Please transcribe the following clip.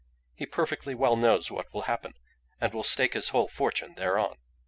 He perfectly well knows what will happen, and will stake his whole fortune thereon.